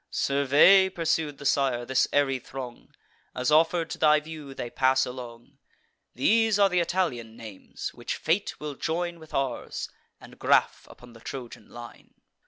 "Survey," pursued the sire, "this airy throng, As, offer'd to thy view, they pass along. These are th' Italian names, which fate will join With ours, and graff upon the Trojan line.